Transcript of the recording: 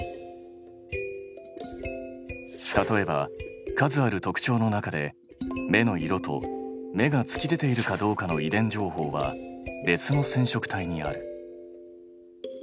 例えば数ある特徴の中で目の色と目が突き出ているかどうかの遺伝情報は別の染色体にある。